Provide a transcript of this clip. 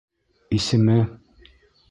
Исеме...